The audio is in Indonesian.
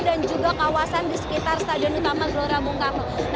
dan juga kawasan di sekitar stadion utama gelora bung karno